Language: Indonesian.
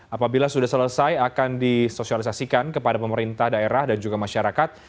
apabila sudah selesai akan disosialisasikan kepada pemerintah daerah dan juga masyarakat